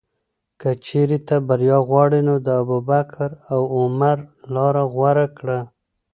که چېرې ته بریا غواړې، نو د ابوبکر او عمر لاره غوره کړه.